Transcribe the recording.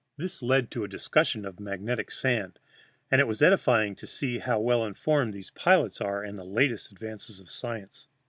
This led to a discussion of magnetic sand, and it was edifying to see how well informed these pilots are in the latest advances of science.